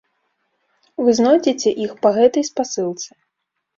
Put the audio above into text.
Вы знойдзеце іх па гэтай спасылцы.